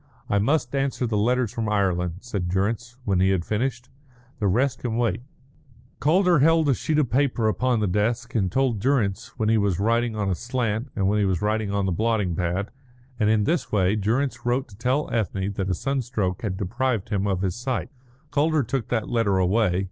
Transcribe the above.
"I must answer the letters from Ireland," said Durrance, when he had finished. "The rest can wait." Calder held a sheet of paper upon the desk and told Durrance when he was writing on a slant and when he was writing on the blotting pad; and in this way Durrance wrote to tell Ethne that a sunstroke had deprived him of his sight. Calder took that letter away.